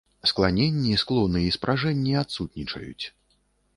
Скланенні, склоны і спражэнні адсутнічаюць.